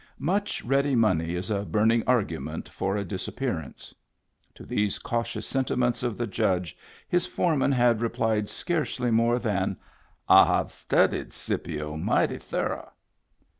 Much ready money is a burning argument for a disappearance. To these cautious sentiments of the Judge his foreman had replied scarcely more than "I have studied Scipio mighty thorough."